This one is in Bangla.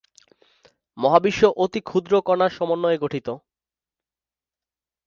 মহাবিশ্ব অতি ক্ষুদ্র কণার সমন্বয়ে গঠিত।